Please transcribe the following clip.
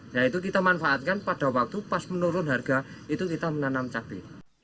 nah itu kita manfaatkan pada waktu pas menurun harga itu kita menanam cabai